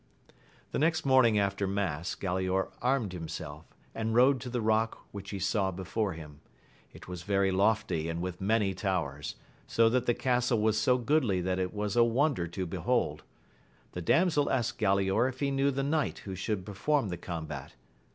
The next morning after mass, Galaor armed himself and rode to the rock which he saw before him : it was very lofty and with many towers, so that the castle was so goodly that it was a wonder to behold. The damsel asked Galaor if he knew the knight who should perform the combat.